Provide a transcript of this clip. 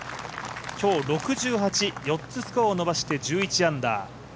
今日６８、４つスコアを伸ばして、１１アンダー。